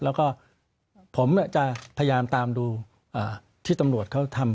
แล้วก็ผมจะพยายามตามดูที่ตำรวจเขาทำ